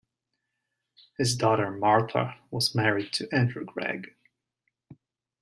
His daughter Martha was married to Andrew Gregg.